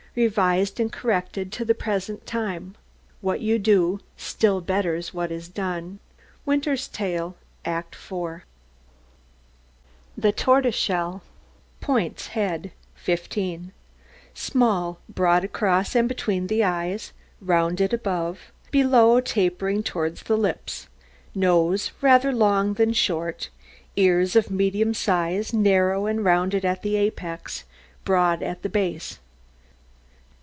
Revised and corrected to the present time. ... What you do, Still betters what is done. Winter's Tale, Act IV. THE TORTOISESHELL. POINTS HEAD 15 Small, broad across and between the eyes, rounded above, below tapering towards the lips, nose rather long than short, ears of medium size, narrow and rounded at the apex, broad at the base.